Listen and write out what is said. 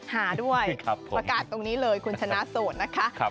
หาด้วยประกาศตรงนี้เลยคุณชนะโสดนะคะ